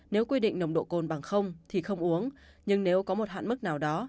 nếu quy định nồng độ cồn bằng không thì không uống nhưng nếu có một hạn mức nào đó